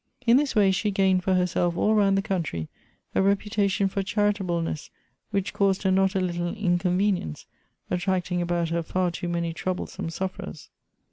In this way she gained for herself all round the country a reputation for charitableness which caused her not a little inconvenience, attracting about her far too many troublesome sufferers.